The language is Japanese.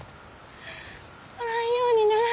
おらんようにならんと。